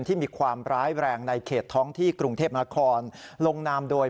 ที่มีความร้ายแรงในเขตท้องที่กรุงเทพนครลงนามโดย